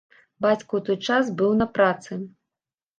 Бацька ў той час быў на працы.